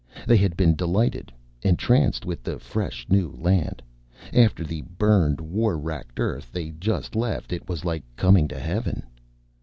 They had been delighted, entranced with the fresh new land. After the burned, war racked Earth they had just left, it was like coming to Heaven.